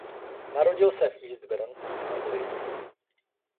Narodil se v Eastbourne v Anglii.